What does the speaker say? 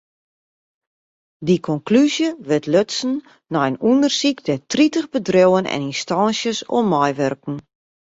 Dy konklúzje wurdt lutsen nei in ûndersyk dêr't tritich bedriuwen en ynstânsjes oan meiwurken.